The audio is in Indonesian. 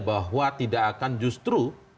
bahwa tidak akan justru